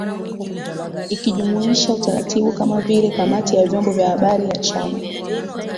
Ikijumuisha utaratibu kama vile Kamati ya Vyombo vya Habari ya Chama